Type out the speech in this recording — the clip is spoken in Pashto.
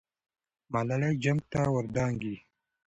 ملالۍ جنګ ته ور دانګي.